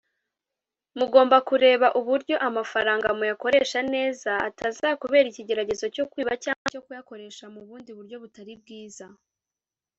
Mugomba kureba uburyo (amafaranga) muyakoresha neza atazakubera icyigeregezo cyo kwiba cyangwa cyo kuyakoresha mu bundi buryo butari bwiza